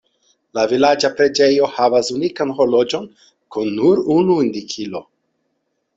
La vilaĝa preĝejo havas unikan horloĝon kun nur unu indikilo.